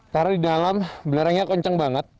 karena di dalam belerangnya kenceng banget